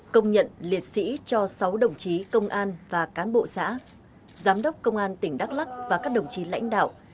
công nhận liệt sĩ cho sáu đồng chí công an và cán bộ xã giám đốc công an tỉnh đắk lắc và các đồng chí lãnh đạo